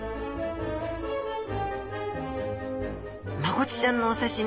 マゴチちゃんのお刺身